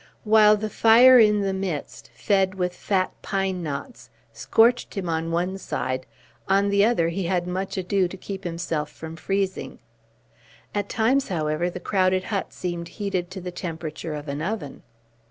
While the fire in the midst, fed with fat pine knots, scorched him on one side, on the other he had much ado to keep himself from freezing. At times, however, the crowded hut seemed heated to the temperature of an oven.